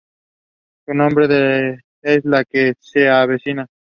Su nombre es "La que se avecina".